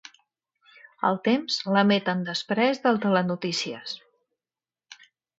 El Temps l'emeten després del Telenotícies.